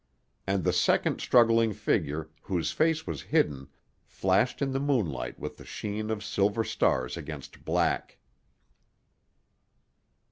And the second struggling figure, whose face was hidden, flashed in the moonlight with the sheen of silver stars against black.